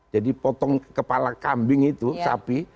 jadi potong kepala kambing itu sapi